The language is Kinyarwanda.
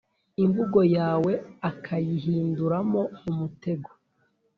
imvugo yawe akayihinduramo umutego.